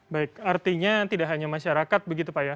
baik artinya tidak hanya masyarakat begitu pak ya